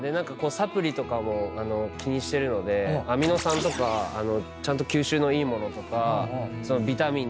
サプリとかも気にしてるのでアミノ酸とかちゃんと吸収のいいものとかビタミン